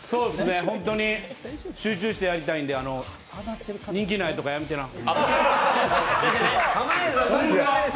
集中してやりたいんで人気ないとか、やめてな。